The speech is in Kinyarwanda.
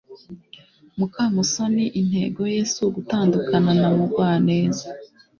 mukamusoni intego ye si ugutandukana na mugwaneza